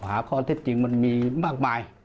หาข้อเท็จจริงมันมีมากมาย